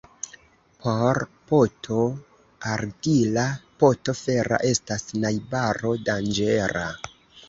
Por poto argila poto fera estas najbaro danĝera.